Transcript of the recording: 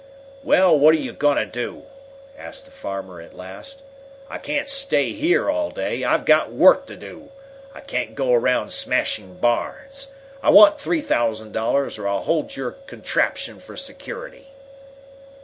"Well, what you going to do?" asked the farmer at last. "I can't stay here all day. I've got work to do. I can't go around smashing barns. I want three thousand dollars, or I'll hold your contraption for security."